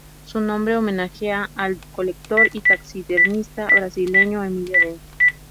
Su nombre homenajea al colector y taxidermista brasileño Emilio Dente.